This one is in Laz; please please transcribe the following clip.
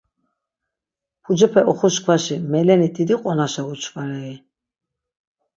Pucepe oxuşkvaşi meleni didi qonaşa uçvarei?